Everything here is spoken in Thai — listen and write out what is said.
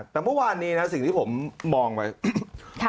แต่เมื่อวานนี้นะสิ่งที่ผมมองไว้